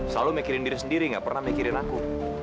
selalu mikirin diri sendiri gak pernah mikirin aku